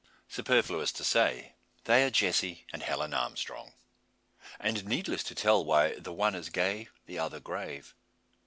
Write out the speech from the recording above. Superfluous to say, they are Jessie and Helen Armstrong. And needless to tell why the one is gay, the other grave.